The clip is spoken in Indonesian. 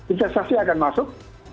inversasi akan masuk